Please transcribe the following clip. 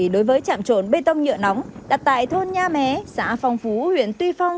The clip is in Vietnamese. lợi dụng chức hữu khuyền hạn